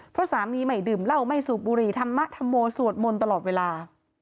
เพราะสามีใหม่ดื่มเหล้าไม่สูบบุหรี่ธรรมธรรโมสวดมนต์ตลอดเวลา